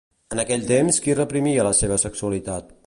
En aquell temps, qui reprimia la seva sexualitat?